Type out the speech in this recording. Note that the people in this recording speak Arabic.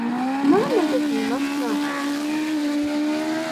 نعمل في مصنع.